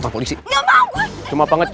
ku lewat sisi si tenggas